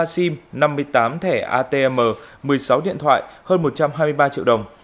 một trăm hai mươi ba sim năm mươi tám thẻ atm một mươi sáu điện thoại hơn một trăm hai mươi ba triệu đồng